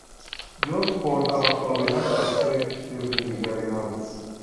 جز خوردن و خوابیدن در فکر چیز دیگری نبود.